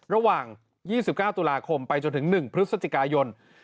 ระหว่าง๒๙ตุลาคมไปจนถึง๑พฤศจิกายน